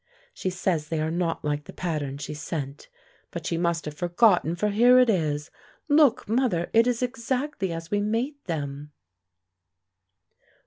She says they are not like the pattern she sent; but she must have forgotten, for here it is. Look, mother; it is exactly as we made them."